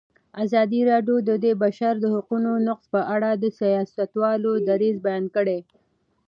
ازادي راډیو د د بشري حقونو نقض په اړه د سیاستوالو دریځ بیان کړی.